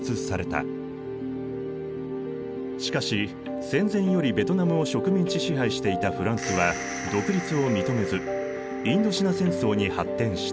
しかし戦前よりベトナムを植民地支配していたフランスは独立を認めずインドシナ戦争に発展した。